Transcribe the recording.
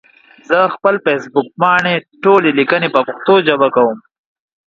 زه پخپل فيسبوک پاڼې ټولي ليکني په پښتو ژبه کوم